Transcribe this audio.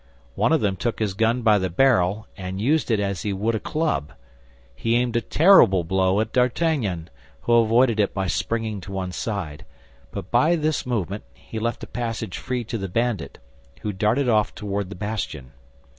One of them took his gun by the barrel, and used it as he would a club. He aimed a terrible blow at D'Artagnan, who avoided it by springing to one side; but by this movement he left a passage free to the bandit, who darted off toward the bastion.